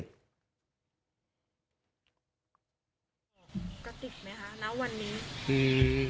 บอกกติกไหมคะณวันนี้